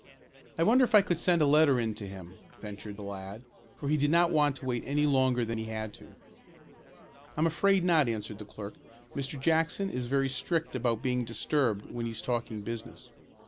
"I wonder if I could send a letter in to him," ventured the lad, for he did not want to wait any longer than he had to. "I'm afraid not," answered the clerk. "Mr. Jackson is very strict about being disturbed when he's talking business."